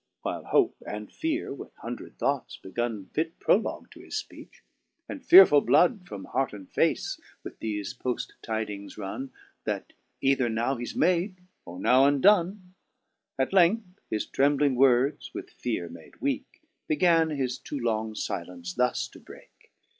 While hope and feare with hundred thoughts begun Fit prologue to his fpeech ; and fearefuU blood From heart and face with thefe poft tydings runne. That eyther now he's made, or now undon ; At length his trembling words, with feare made weake. Began his too long filence thus to breake.